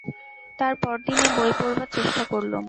তার পরদিনে বই পড়বার চেষ্টা করলুম।